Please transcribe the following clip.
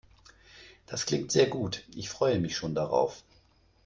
Das klingt sehr gut. Ich freue mich schon darauf.